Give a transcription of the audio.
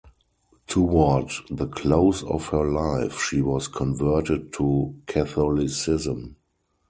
Toward the close of her life she was converted to Catholicism.